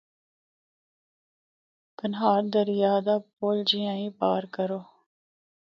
کنہار دریا دا پُل جِیّاں ہی پار کرو۔